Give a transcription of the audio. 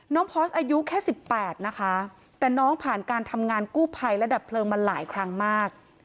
พอร์สอายุแค่๑๘นะคะแต่น้องผ่านการทำงานกู้ภัยและดับเพลิงมาหลายครั้งมาก